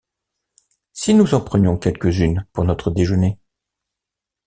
Si nous en prenions quelques-unes pour notre déjeuner?